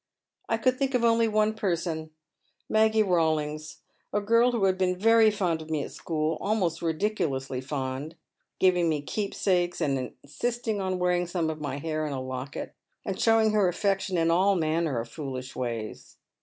I could think of only one person, Maggie Rawlings, a girl who had been very fond of me at school, almost ridiculously fond, giving me keepsakes, and insisting on wearing some of my hair in a locket, and showing her affection in all manner of foolish ways.